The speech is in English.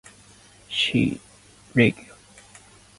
She published a book and commissioned a film about the region.